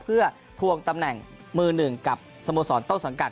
เพื่อทวงตำแหน่งมือหนึ่งกับสโมสรต้นสังกัด